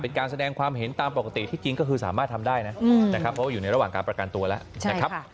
เป็นการแสดงความเห็นตามปกติที่จริงก็คือสามารถทำได้นะนะครับเพราะว่าอยู่ในระหว่างการประกันตัวแล้วนะครับ